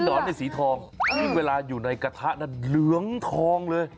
นอนในสีทองซึ่งเวลาอยู่ในกระทะนั้นเหลืองทองเลย